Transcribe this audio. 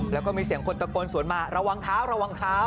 แล้วก็มีเสียงคนตะโกนสวนมาระวังเท้าระวังเท้า